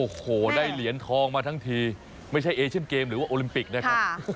โอ้โหได้เหรียญทองมาทั้งทีไม่ใช่เอเชียนเกมหรือว่าโอลิมปิกนะครับ